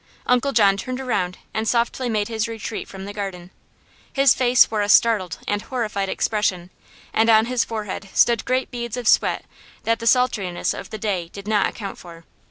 Uncle John turned around and softly made his retreat from the garden. His face wore a startled and horrified expression and on his forehead stood great beads of sweat that the sultriness of the day did not account for.